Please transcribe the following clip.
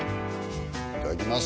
いただきます